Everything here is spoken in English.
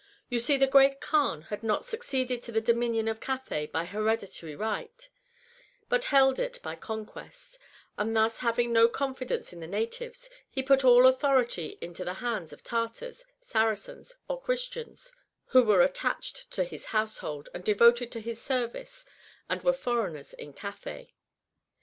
You see the Great Kaan had not succeeded to the dominion of Cathay by hereditary right, but held it by conquest ; and thus having no con fidence in the natives, he put all authority into the hands of Tartars, Saracens, or Christians who were attached to his household and devoted to his service, and were foreigners in Cathay.